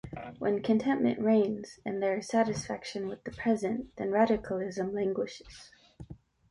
When contentment reigns, and there is satisfaction with the present, then radicalism languishes.